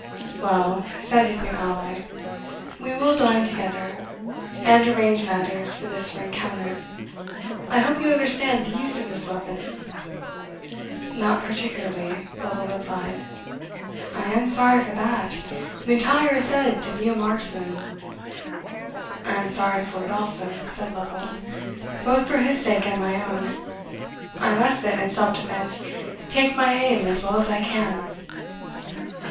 "Well," said his new ally, "we will dine together and arrange matters for this rencounter. I hope you understand the use of the weapon?" "Not particularly," Lovel replied. "I am sorry for that M'Intyre is said to be a marksman." "I am sorry for it also," said Lovel, "both for his sake and my own: I must then, in self defence, take my aim as well as I can."